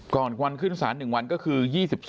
ก่อนวันขึ้นศาล๑วันก็คือ๒๒